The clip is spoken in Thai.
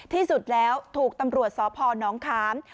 ที่สุดแล้วถูกตำรวจสพนขาม